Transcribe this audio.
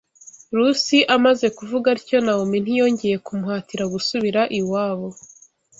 Rusi amaze kuvuga atyo Nawomi ntiyongeye kumuhatira gusubira iwabo